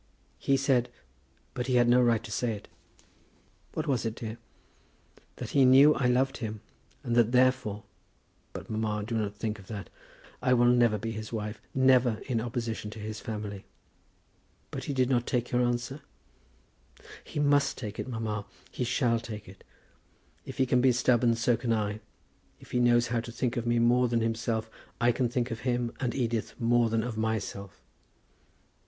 "He said; but he had no right to say it." "What was it, dear?" "That he knew I loved him, and that therefore But, mamma, do not think of that. I will never be his wife, never, in opposition to his family." "But he did not take your answer?" "He must take it, mamma. He shall take it. If he can be stubborn, so can I. If he knows how to think of me more than himself, I can think of him and Edith more than of myself.